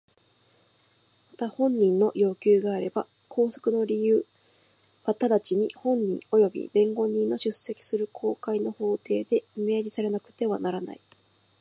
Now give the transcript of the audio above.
また本人の要求があれば拘束の理由は直ちに本人および弁護人の出席する公開の法廷で明示されなくてはならない。